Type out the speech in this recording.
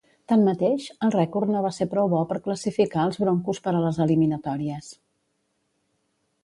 Tanmateix, el rècord no va ser prou bo per classificar els Broncos per a les eliminatòries.